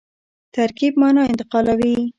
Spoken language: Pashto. ترکیب مانا انتقالوي.